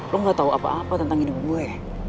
lo gak tahu apa apa tentang hidup gue